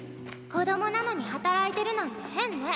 子供なのに働いてるなんて変ね！